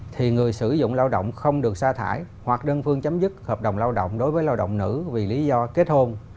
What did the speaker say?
thì người sử dụng lao động không được xa thải hoặc đơn phương chấm dứt hợp đồng lao động đối với lao động nữ vì lý do kết hôn